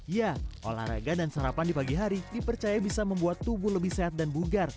ya olahraga dan sarapan di pagi hari dipercaya bisa membuat tubuh lebih sehat dan bugar